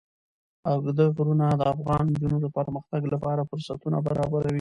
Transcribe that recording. اوږده غرونه د افغان نجونو د پرمختګ لپاره فرصتونه برابروي.